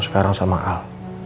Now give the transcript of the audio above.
sekarang sama al